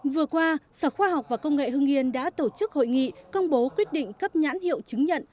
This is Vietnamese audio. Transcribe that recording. vừa qua sở khoa học và công nghệ hưng yên đã tổ chức hội nghị công bố quyết định cấp nhãn hiệu chứng nhận